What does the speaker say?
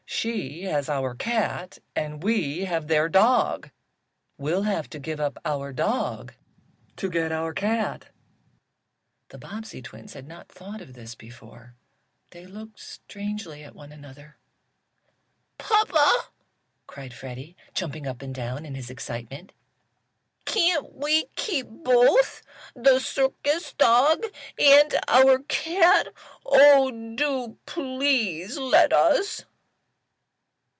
"She has our cat, and we have their dog. We'll have to give up our dog to get our cat." The Bobbsey twins had not thought of this before. They looked strangely at one another. "Papa!" cried Freddie, jumping up and down in his excitement, "can't we keep both the circus dog and our cat? Oh, do please, let us."